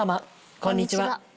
こんにちは。